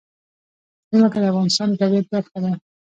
ځمکه د افغانستان د طبیعت برخه ده.